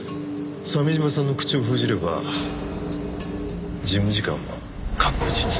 鮫島さんの口を封じれば事務次官は確実。